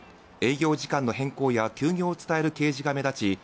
営業時間の変更や休業を伝える掲示が目立ち